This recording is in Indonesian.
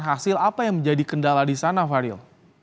hasil apa yang menjadi kendala di sana faril